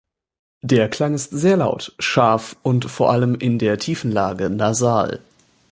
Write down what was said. Der Klang ist sehr laut, scharf und vor allem in der tiefen Lage nasal.